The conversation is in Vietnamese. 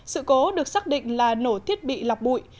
sự cố được xác định là nổ thiết bị lọc bụi